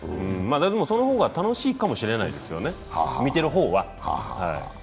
その方が楽しいかもしれないですよね、見てる方は。